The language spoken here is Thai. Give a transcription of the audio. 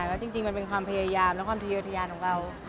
ก็จริงเป็นความพยายามการของเรา